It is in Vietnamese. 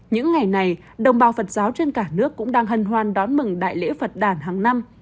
những ngày này đồng bào phật giáo trên cả nước cũng đang hân hoan đón mừng đại lễ phật đàn hàng năm